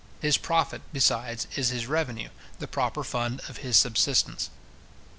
His profit, besides, is his revenue, the proper fund of his subsistence.